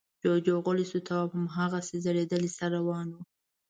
جُوجُو غلی شو. تواب هماغسې ځړېدلی سر روان و.